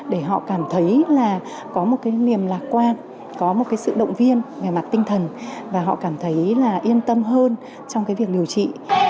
để họ cảm thấy là có một cái niềm lạc quan có một cái sự động viên về mặt tinh thần và họ cảm thấy là yên tâm hơn trong cái việc điều trị